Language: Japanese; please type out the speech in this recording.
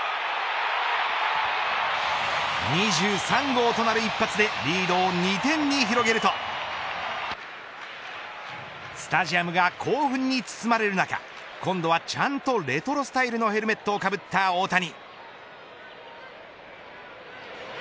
２３号となる一発でリードを２点に広げるとスタジアムが興奮に包まれる中今度はちゃんとレトロスタイルのヘルメットをかぶった大谷。